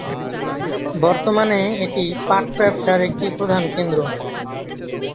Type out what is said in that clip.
বর্তমানে এটি পাট ব্যবসার একটি প্রধান কেন্দ্র।